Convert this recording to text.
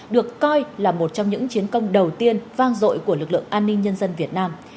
được coi là một trong những chiến công đầu tiên vang dội của lực lượng an ninh nhân dân việt nam